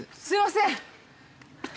すいません。